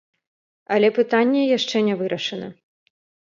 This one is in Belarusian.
Але пытанне яшчэ не вырашана.